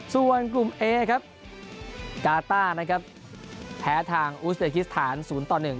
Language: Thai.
ส่วนกลุ่มเอครับกาต้านะครับแพ้ทางอูสเดกิสถานศูนย์ต่อหนึ่ง